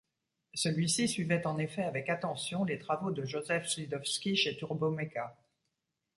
Celui-ci suivait en effet avec attention les travaux de Joseph Szydlowski chez Turboméca.